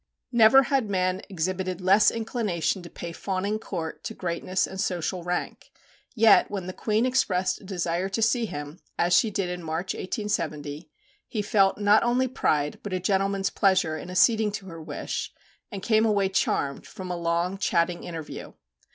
Never had man exhibited less inclination to pay fawning court to greatness and social rank. Yet when the Queen expressed a desire to see him, as she did in March, 1870, he felt not only pride, but a gentleman's pleasure in acceding to her wish, and came away charmed from a long chatting interview.